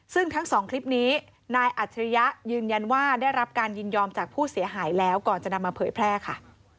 ซึ่งทั้งสองคลิปนี้นายอัจฉริยะยืนยันว่าได้รับการยินยอมจากผู้เสียหายแล้วก่อนจะนำมาเผยแพร่ค่ะ